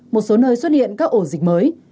một số nơi xuất hiện các ổ dịch mới